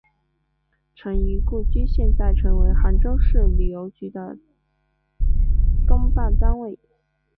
陈仪故居现在成为杭州市旅游局的办公单位。